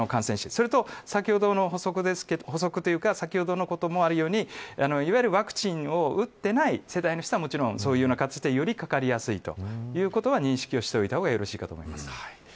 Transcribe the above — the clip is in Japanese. そして、先ほどの補足ですがいわゆるワクチンを打っていない世代の人は、もちろんそういうものにかかりやすいということは認識しておいたほうがよろしいかと思います。